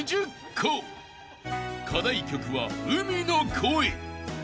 ［課題曲は『海の声』］